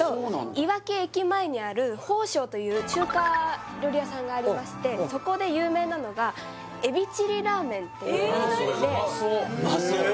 いわき駅前にある鳳翔という中華料理屋さんがありましてそこで有名なのがエビチリラーメンっていうラーメンでええ